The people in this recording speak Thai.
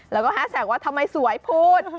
แล้วก็แฮสแท็กว่าทำไมสวยพูด